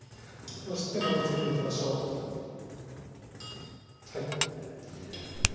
そして盛りつけていきましょういいですね